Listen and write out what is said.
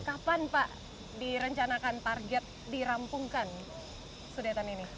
kapan pak direncanakan target dirampungkan sudetan ini